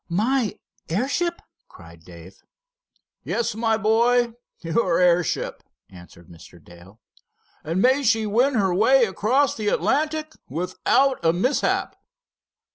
"My airship?" cried Dave. "Yes, my boy, your airship," answered Mr. Dale. "And may she win her way across the Atlantic without a mishap."